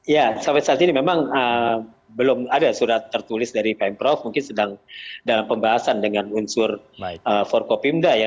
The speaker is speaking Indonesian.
ya sampai saat ini memang belum ada surat tertulis dari pm prof mungkin sedang dalam pembahasan dengan unsur forkopimda ya